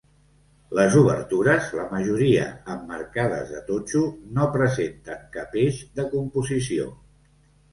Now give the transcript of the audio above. Les obertures, la majoria emmarcades de totxo, no presenten cap eix de composició.